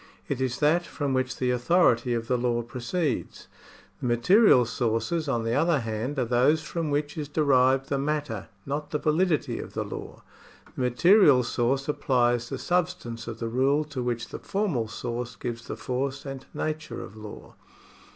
It is that from which the authority of the law proceeds. The material sources, on the other hand, are those from v/hich is derived the matter, not the validity of the law. The material source supplies the substance of the rule to which the formal source gives the force and nature of law.